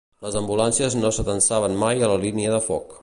Les ambulàncies no s'atansaven mai a la línia de foc